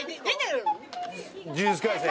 『呪術廻戦』。